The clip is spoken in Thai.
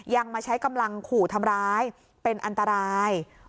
มาใช้กำลังขู่ทำร้ายเป็นอันตราย